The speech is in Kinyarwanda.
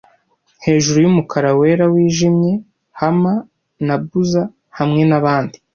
Hejuru yumukara wera wijimye, hummer na buzzer hamwe nabandi,